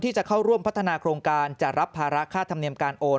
จะเข้าร่วมพัฒนาโครงการจะรับภาระค่าธรรมเนียมการโอน